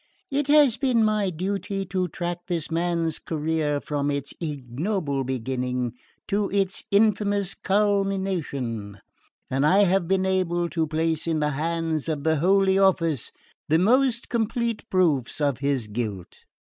"It has been my duty to track this man's career from its ignoble beginning to its infamous culmination, and I have been able to place in the hands of the Holy Office the most complete proofs of his guilt.